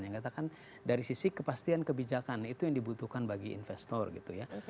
yang katakan dari sisi kepastian kebijakan itu yang dibutuhkan bagi investor gitu ya